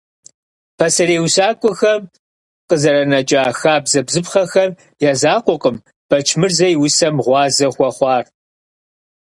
Пасэрей усакӀуэхэм къызэранэкӀа хабзэ-бзыпхъэхэм я закъуэкъым Бэчмырзэ и усэм гъуазэ хуэхъуар.